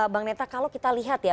bang neta kalau kita lihat ya